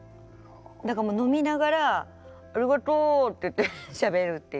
だから飲みながら「ありがとう」ってしゃべるっていう。